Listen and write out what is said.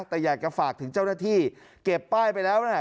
แต่อยากจะฝากถึงเจ้าหน้าที่เก็บป้ายไปแล้วนะฮะ